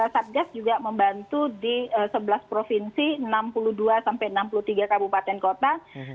satgas juga membantu di sebelas provinsi enam puluh dua sampai enam puluh tiga kabupaten kota